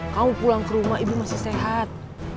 kau pulang ke rumah ibu masih sehat